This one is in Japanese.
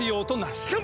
しかも！